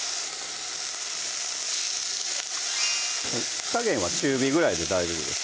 火加減は中火ぐらいで大丈夫です